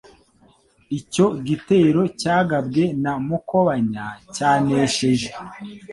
Icyo gitero cyagabwe na Mukobanya cyanesheje